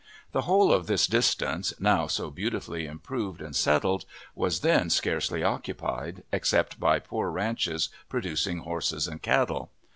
The whole of this distance, now so beautifully improved and settled, was then scarcely occupied, except by poor ranches producing horses and cattle.